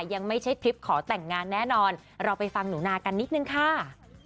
ยังไม่ใช่คลิปขอแต่งงานแน่นอนเราไปฟังหนูนากันนิดนึงค่ะ